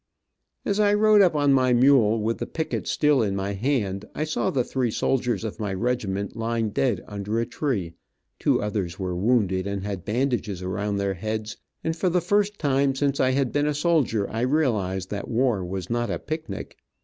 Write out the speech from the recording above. As I rode up on my mule, with the picket still in my hand, I saw the three soldiers of my regiment lying dead under a tree, two others were wounded and had bandages around their heads, and for the first time since I had been a soldier, I realized that war was not a picnic.